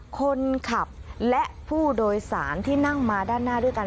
คนขับและผู้โดยสารที่นั่งมาด้านหน้าด้วยกัน